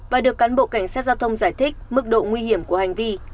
và không nhận thức mức độ nguy hiểm của hành vi